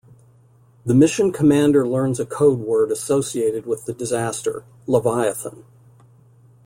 The mission commander learns a codeword associated with the disaster: Leviathan.